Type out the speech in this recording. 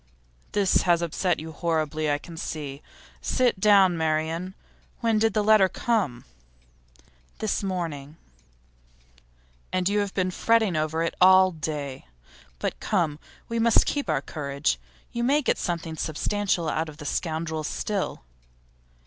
'This has upset you horribly, I can see. Sit down, Marian. When did the letter come?' 'This morning.' 'And you have been fretting over it all day. But come, we must keep up our courage; you may get something substantial out of the scoundrels still.